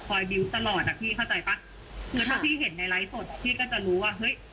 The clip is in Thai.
บิวต์ตลอดอ่ะพี่เข้าใจป่ะคือถ้าพี่เห็นในไลฟ์สดพี่ก็จะรู้ว่าเฮ้ย